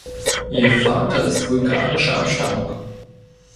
Ihr Vater ist bulgarischer Abstammung.